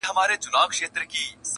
نن پخپله د ښکاري غسي ویشتلی.